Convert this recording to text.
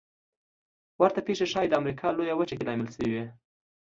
ورته پېښې ښايي د امریکا لویه وچه کې لامل شوې وي.